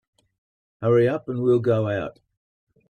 Hurry up and we'll go out.